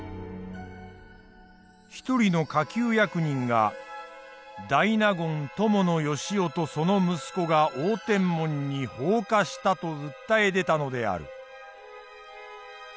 一人の下級役人が「大納言伴善男とその息子が応天門に放火した」と訴え出たのである。